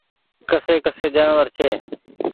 ڪسي ڪسي جآنور ڇي۔